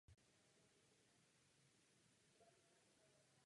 Jednu věc bych ale chtěla uvést zcela jasně.